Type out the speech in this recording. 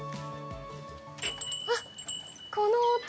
あっ、この音。